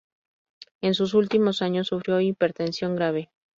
En sus últimos años sufrió hipertensión grave.